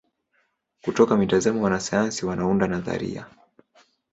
Kutoka mitazamo wanasayansi wanaunda nadharia.